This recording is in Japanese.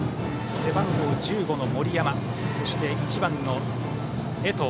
背番号１５の森山１番の江藤。